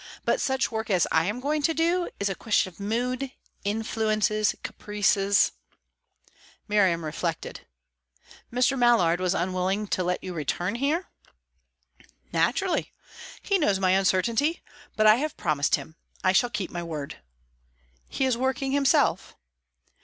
But such work as I am going to do is a question of mood, influences, caprices " Miriam reflected. "Mr. Mallard was unwilling to let you return here?" "Naturally. He knows my uncertainty. But I have promised him; I shall keep my word." "He is working himself?"